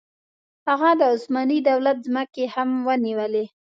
هغه د عثماني دولت ځمکې هم ونیولې.